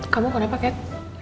kamu kenapa kat